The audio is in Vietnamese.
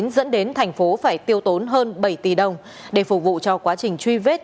dẫn đến thành phố phải tiêu tốn hơn bảy tỷ đồng để phục vụ cho quá trình truy vết